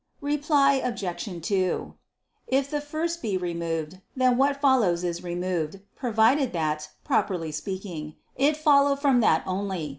Reply Obj. 2: If the first be removed, then what follows is removed, provided that, properly speaking, it follow from that only.